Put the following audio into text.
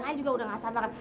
saya juga udah gak santar